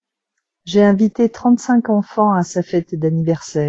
J'ai invité trente cinq enfants à sa fête d'anniversaire.